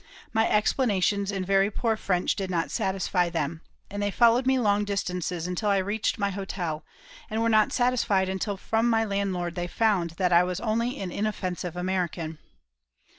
My explanations in very poor French did not satisfy them, and they followed me long distances until I reached my hotel, and were not satisfied until from my landlord they found that I was only an inoffensive American.